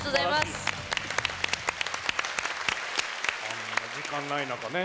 あんな時間ない中ね。